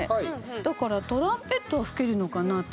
だからトランペットは吹けるのかなと。